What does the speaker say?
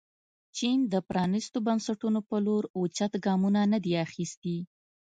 چین د پرانیستو بنسټونو په لور اوچت ګامونه نه دي اخیستي.